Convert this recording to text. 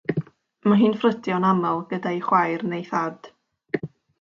Mae hi'n ffrydio'n aml gyda'i chwaer neu'i thad.